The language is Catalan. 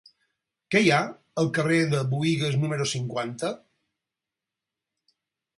Què hi ha al carrer de Buïgas número cinquanta?